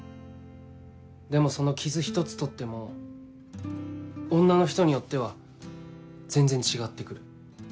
でもその傷ひとつとっても女の人によっては全然違って来る。